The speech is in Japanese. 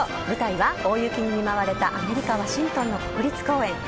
舞台は大雪に見舞われたアメリカ・ワシントンの国立公園。